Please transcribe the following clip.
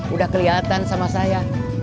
udah keliatan sama saya